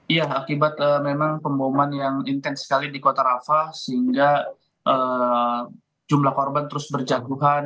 iya akibat memang pemboman yang intens sekali di kota rafah sehingga jumlah korban terus berjaguhan